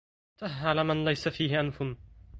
ته على من ليس فيه أنفه